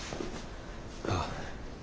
ああ。